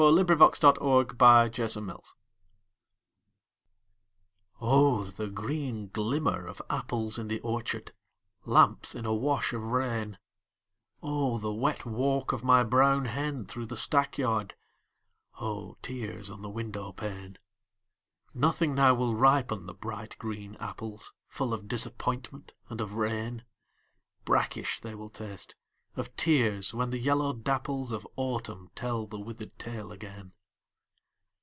LAWRENCE BALLAD OF ANOTHER OPHELIA Oh, the green glimmer of apples in the orchard, Lamps in a wash of rain, Oh, the wet walk of my brown hen through the stackyard, Oh, tears on the window pane! Nothing now will ripen the bright green apples, Full of disappointment and of rain, Brackish they will taste, of tears, when the yellow dapples Of Autumn tell the withered tale again.